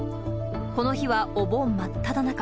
この日はお盆真っただ中。